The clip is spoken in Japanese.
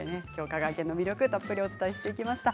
香川県の魅力たっぷりお伝えしてきました。